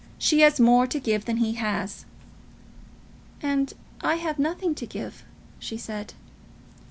She has more to give than he has." "And I have nothing to give," she said.